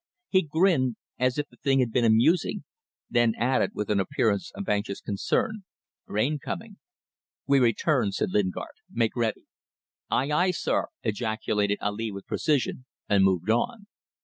He grinned as if the thing had been amusing, then added with an appearance of anxious concern, "Rain coming." "We return," said Lingard. "Make ready." "Aye, aye, sir!" ejaculated Ali with precision, and moved on.